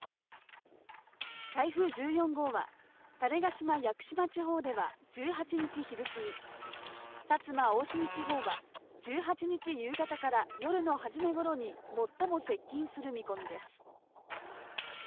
台風１４号は、種子島・屋久島地方では１８日昼過ぎ、薩摩・大隅地方は１８日夕方から夜の初めごろに最も接近する見込みです。